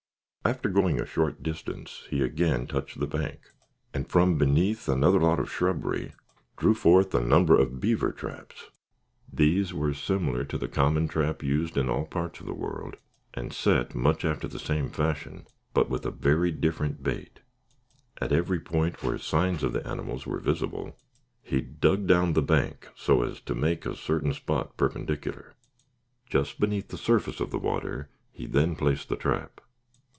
After going a short distance, he again touched the bank, and from beneath another lot of shrubbery drew forth a number of beaver traps. These were similar to the common trap used in all parts of the world, and set much after the same fashion, but with a very different bait. At every point where signs of the animals were visible, he dug down the bank, so as to make a certain spot perpendicular. Just beneath the surface of the water he then placed the trap.